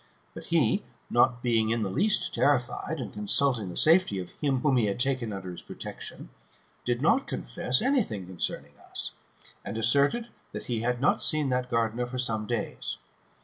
But he, not being in the least terrified, and consulting the safety of him 'whom he had taken under his protection, did not confess any thing concerning 4is, and asserted, that he had not seen that gardener for some days.